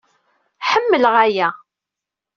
Ḥemmleɣ aya.